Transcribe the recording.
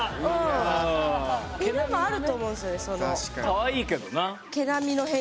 かわいいけどな。